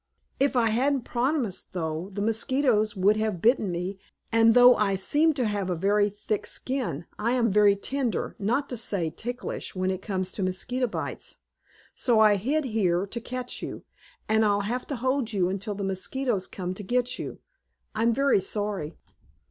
"If I hadn't promised, though, the mosquitoes would have bitten me, and though I seem to have a very thick skin I am very tender, not to say ticklish, when it comes to mosquito bites. So I hid here to catch you, and I'll have to hold you until the mosquitoes come to get you. I'm very sorry!"